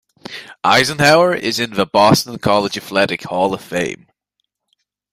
Eisenhauer is in the Boston College Athletic Hall of Fame.